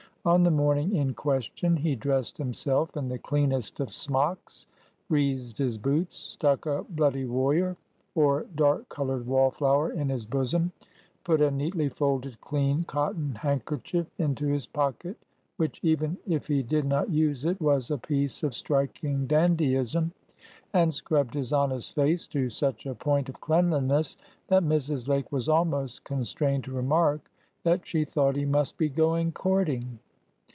On the morning in question, he dressed himself in the cleanest of smocks, greased his boots, stuck a bloody warrior, or dark colored wallflower, in his bosom, put a neatly folded, clean cotton handkerchief into his pocket,—which, even if he did not use it, was a piece of striking dandyism,—and scrubbed his honest face to such a point of cleanliness that Mrs. Lake was almost constrained to remark that she thought he must be going courting.